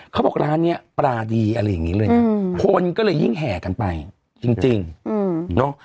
เขาบอกร้านเนี้ยปลาดีอะไรอย่างนี้เลยนะคนก็เลยยิ่งแห่กันไปจริงจริงอืมเนอะ